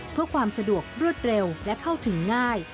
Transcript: เพื่อความสะดวกรวดเร็วและเข้าถึงง่าย